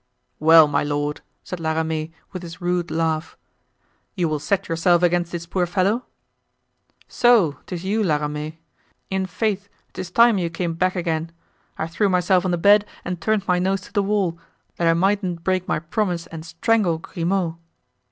"Well, my lord," said La Ramee, with his rude laugh, "you still set yourself against this poor fellow?" "So! 'tis you, La Ramee; in faith, 'tis time you came back again. I threw myself on the bed and turned my nose to the wall, that I mightn't break my promise and strangle Grimaud."